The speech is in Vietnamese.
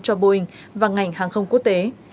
cho boeing và ngành hàng không quốc tế